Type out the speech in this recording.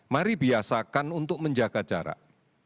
mari biasakan untuk menjaga jarak